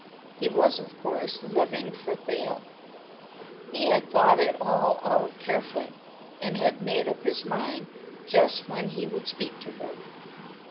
He was, of course, living for Thea. He had thought it all out carefully and had made up his mind just when he would speak to her.